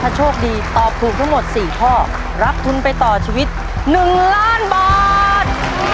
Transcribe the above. ถ้าโชคดีตอบถูกทั้งหมด๔ข้อรับทุนไปต่อชีวิต๑ล้านบาท